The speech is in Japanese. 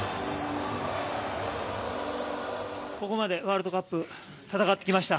ここまでワールドカップ戦ってきました。